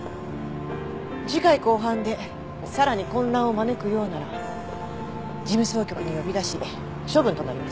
次回公判でさらに混乱を招くようなら事務総局に呼び出し処分となります。